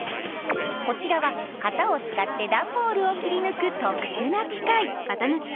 こちらは型を使って段ボールを切り抜く特殊な機械。